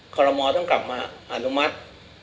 คอลโมต้องกลับมาอนุมัติ